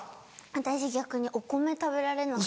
私逆にお米食べられなくて。